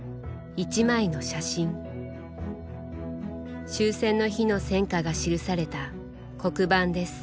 終戦の日の戦果が記された黒板です。